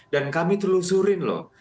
dan kami telusurin loh